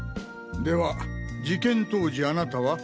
では事件当時あなたは？